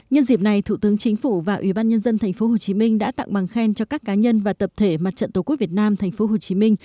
nhân dịp này thủ tướng chính phủ và ủy ban nhân dân tp hcm đã tặng bằng khen cho các cá nhân và tập thể mặt trận tổ quốc việt nam tp hcm